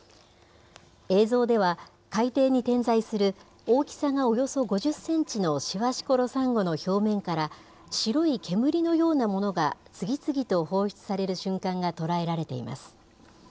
映像では、海底に点在する大きさがおよそ５０センチのシワシコロサンゴの表面から、白い煙のようなものが、次々と放出される瞬間が捉えられています。